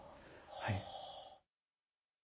はい。